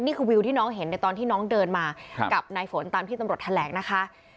วิวที่น้องเห็นในตอนที่น้องเดินมากับนายฝนตามที่ตำรวจแถลงนะคะ